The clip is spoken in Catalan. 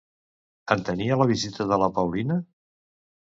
Entenia la visita de la Paulina?